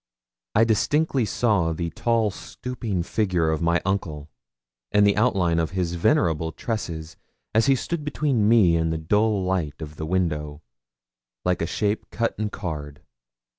I distinctly saw the tall stooping figure of my uncle, and the outline of his venerable tresses, as he stood between me and the dull light of the window, like a shape cut in card.